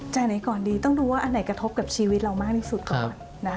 ไหนก่อนดีต้องดูว่าอันไหนกระทบกับชีวิตเรามากที่สุดก่อนนะคะ